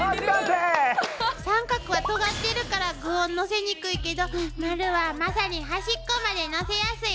三角はとがってるから具をのせにくいけど丸はまさに端っこまでのせやすい。